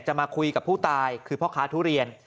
มาคุยกับผู้ตายคือพ่อค้าทุเรียน